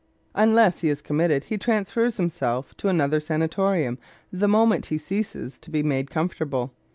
Unless he is committed, he transfers himself to another sanatorium the moment he ceases to be made comfortable.